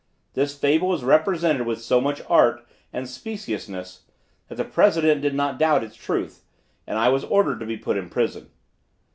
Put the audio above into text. This fable was represented with so much art and speciousness, that the president did not doubt its truth, and I was ordered to be put in prison.